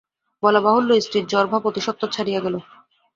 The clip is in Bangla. বলা বাহুল্য, স্ত্রীর জ্বরভাব অতি সত্বর ছাড়িয়া গেল।